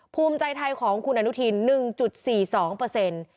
ภูมิใจไทยของคุณอนุทิน๑๔๒